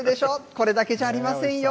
これだけじゃありませんよ。